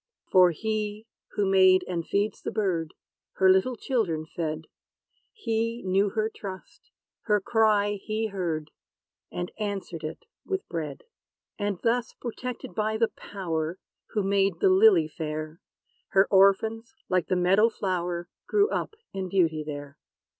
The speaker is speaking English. For He, who made, and feeds the bird, Her little children fed. He knew her trust: her cry he heard; And answered it with bread. And thus, protected by the Power, Who made the lily fair, Her orphans, like the meadow flower, Grew up in beauty there.